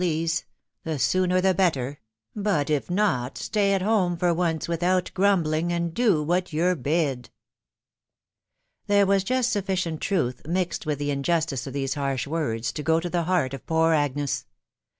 please — the sooner the better ;.••• but if not, stay at hone for once without grumbling, and do what you're bid." There was just sufficient truth mixed with the injustice 4 these harsh words to go to the heart of poor Agnes.